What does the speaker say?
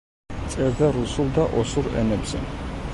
წერდა რუსულ და ოსურ ენებზე.